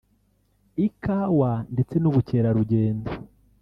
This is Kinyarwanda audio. ikawa ndetse n’ubukerarugendo